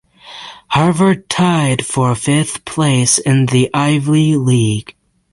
Harvard tied for fifth place in the Ivy League.